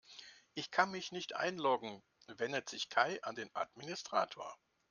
Ich kann mich nicht einloggen, wendet sich Kai an den Administrator.